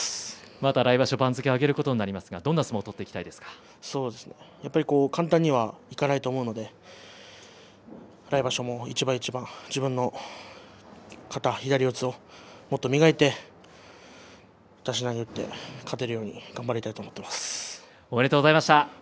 また来場所番付を上げることになりますがどんな相撲を取ってやっぱり簡単にはいかないと思うので来場所も一番一番自分の型、左四つをもっと磨いて出し投げを打って勝てるようにおめでとうございました。